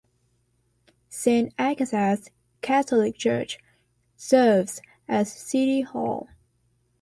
Saint Agatha's Catholic Church serves as city hall.